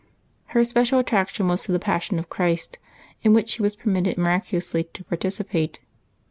Her special attraction was to the Passion of Christ, in which she was permitted miraculously to participate.